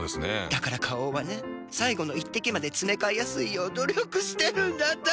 だから花王はね最後の一滴までつめかえやすいよう努力してるんだって。